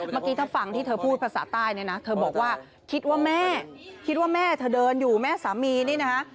เมื่อกี้ถ้าฟังที่เธอพูดภาษาใต้เนี่ยนะเธอบอกว่าคิดว่าแม่คิดว่าแม่เธอเดินอยู่แม่สามีนี่นะคะ